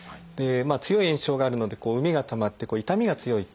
強い炎症があるので膿がたまって痛みが強いと。